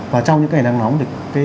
và trong những ngày nắng nóng